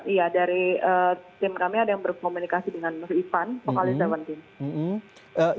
iya dari tim kami ada yang berkomunikasi dengan irfan pokal tujuh team